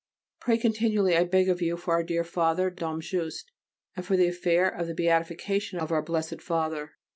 Pray continually, I beg of you, for our dear Father, Dom Juste, and for the affair of the Beatification of our Blessed Father.